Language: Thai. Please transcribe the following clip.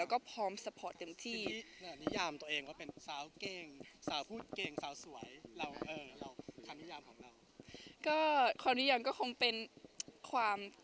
ก็ความนิยามก็คงเป็นความ